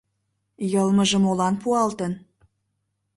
Йылмыже молан пуалтын?